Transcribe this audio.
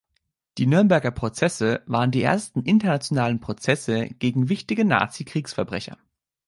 Die Nürnberger Prozesse waren die ersten internationalen Prozesse gegen wichtige Nazi-Kriegsverbrecher.